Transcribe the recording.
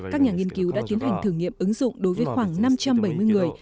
các nhà nghiên cứu đã tiến hành thử nghiệm ứng dụng đối với khoảng năm trăm bảy mươi người